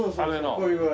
こういう。